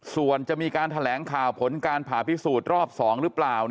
ส่วนจะมีการแถลงข่าวผลการผ่าพิสูจน์รอบ๒หรือเปล่า